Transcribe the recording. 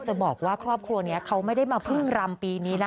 จะบอกว่าครอบครัวนี้เขาไม่ได้มาพึ่งรำปีนี้นะ